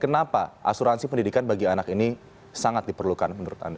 kenapa pendidikan ini sangat diperlukan